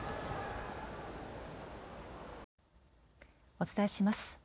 お伝えします。